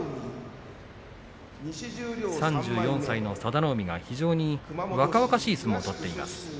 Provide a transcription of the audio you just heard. ３４歳の佐田の海非常に若々しい相撲を取っています。